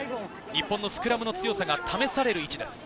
日本のスクラムの強さが試される位置です。